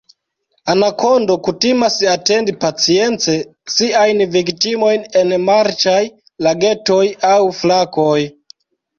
Anakondo kutimas atendi pacience siajn viktimojn en marĉaj lagetoj aŭ flakoj.